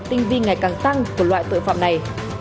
tinh vi ngày càng tăng của loại tội phạm này